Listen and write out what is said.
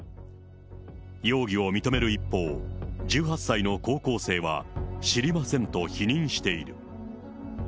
容疑を認める一方、１８歳の高校生は知りませんと否認している。